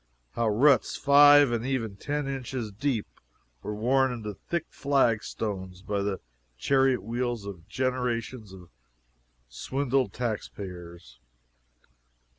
how ruts five and even ten inches deep were worn into the thick flagstones by the chariot wheels of generations of swindled tax payers?